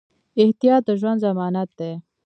احتیاط د ژوند ضمانت دی.